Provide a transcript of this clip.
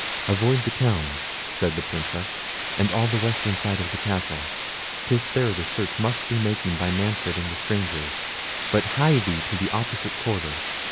"Avoid the town," said the Princess, "and all the western side of the castle. 'Tis there the search must be making by Manfred and the strangers; but hie thee to the opposite quarter.